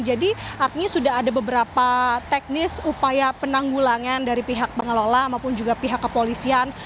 jadi artinya sudah ada beberapa teknis upaya penanggulangan dari pihak pengelola maupun juga pihak kepolisian